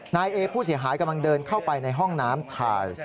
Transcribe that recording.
นายเอผู้เสียหายกำลังเดินเข้าไปในห้องน้ำชาย